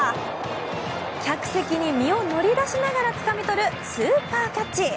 客席に身を乗り出しながらつかみ取るスーパーキャッチ。